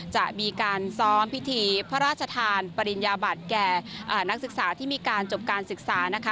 จะมีการซ้อมพิธีพระราชทานปริญญาบัติแก่นักศึกษาที่มีการจบการศึกษานะคะ